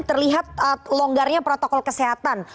terlihat longgarnya protokol kesehatan